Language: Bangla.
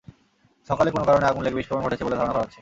সকালে কোনো কারণে আগুন লেগে বিস্ফোরণ ঘটেছে বলে ধারণা করা হচ্ছে।